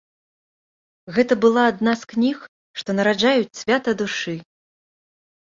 Гэта была адна з кніг, што нараджаюць свята душы.